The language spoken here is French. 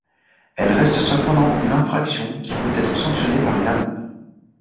Elles restent cependant une infraction qui peut être sanctionnée par une amende.